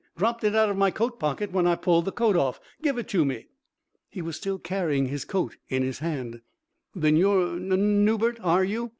Dropped it out of my coat pocket when I pulled the coat off. Give it to me." He was still carrying his coat in his hand. "Then you're Nun Newbert, are you?"